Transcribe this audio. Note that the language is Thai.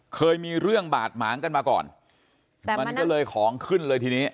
เคยมีเรื่องบาดหมางกันมาก่อนมันก็เลยของขึ้นเลยทีนี้